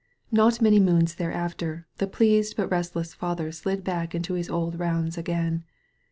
Not many moons thereafter the pleased but restless father sUd back into his old rounds again.